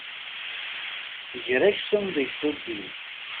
Ger aksum deg tuggi.